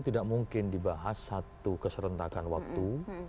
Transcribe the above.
tidak mungkin dibahas satu keserentakan waktu